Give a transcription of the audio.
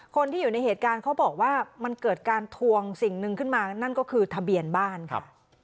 คนที่อยู่ในเหตุการณ์เขาบอกว่ามันเกิดการทวงสิ่งหนึ่งขึ้นมานั่นก็คือทะเบียนบ้านค่ะ